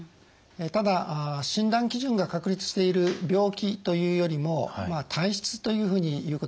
ただ診断基準が確立している病気というよりも体質というふうに言うことができます。